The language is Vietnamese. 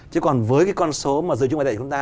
chứ còn với cái con số mà dưới dưới ngoại tệ chúng ta